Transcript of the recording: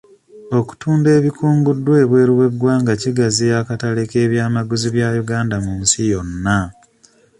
Okutunda ebikunguddwa ebweru w'eggwanga kigaziya akatale k'eby'amaguzi bya uganda mu nsi yonna.